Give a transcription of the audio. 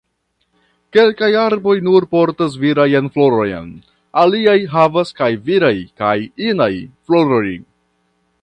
Kelkaj arboj nur portas virajn florojn.. Aliaj havas kaj viraj kaj inaj floroj.